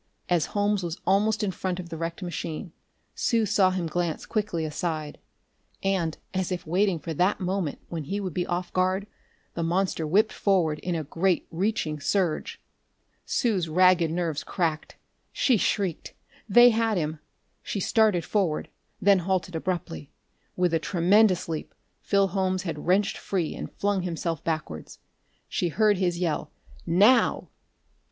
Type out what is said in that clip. As Holmes was almost in front of the wrecked machine, Sue saw him glance quickly aside and, as if waiting for that moment when he would be off guard, the monster whipped forward in a great, reaching surge. Sue's ragged nerves cracked: she shrieked. They had him! She started forward, then halted abruptly. With a tremendous leap, Phil Holmes had wrenched free and flung himself backwards. She heard his yell: "Now!"